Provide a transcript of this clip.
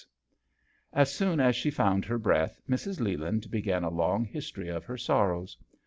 52 JOHN SHERMAN. As soon as she found her breath, Mrs. Leland began a long history of her sorrows.